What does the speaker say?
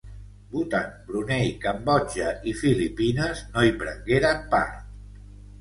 Bhutan, Brunei, Cambodja i Filipines no hi prengueren part.